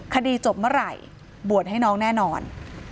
คดีจบเมื่อไหร่บวชให้น้องแน่นอน